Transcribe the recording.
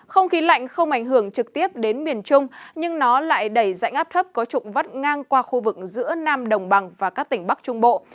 không khí lạnh không ảnh hưởng trực tiếp đến miền trung nhưng nó lại đẩy dạnh áp thấp có trụng vắt ngang qua khu vực giữa nam đồng bằng và các tỉnh bắc trung bộ